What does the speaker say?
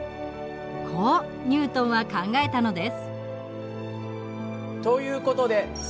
こうニュートンは考えたのです。